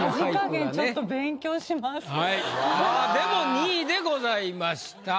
まあでも２位でございました。